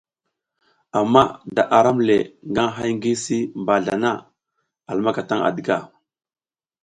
Ama da aram le nga hay ngi si mbazla na a lumaka tan à diga.